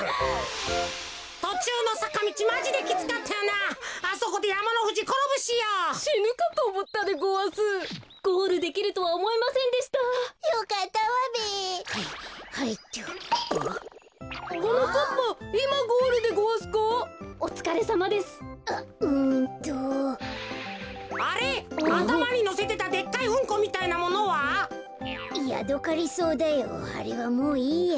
あれはもういいや。